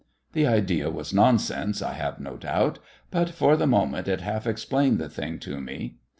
The idea was nonsense, I have no doubt; but for the moment it half explained the thing to me.